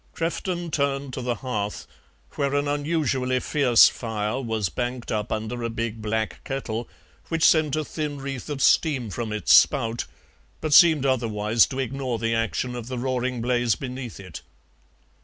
Crefton turned to the hearth, where an unusually fierce fire was banked up under a big black kettle, which sent a thin wreath of steam from its spout, but seemed otherwise to ignore the action of the roaring blaze beneath it.